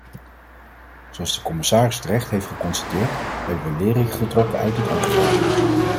Zoals de commissaris terecht heeft geconstateerd, hebben we lering getrokken uit dit ongeval.